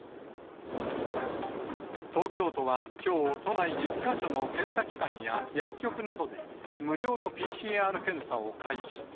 東京都はきょう、都内１０か所の検査機関や薬局などで、無料のＰＣＲ検査を開始。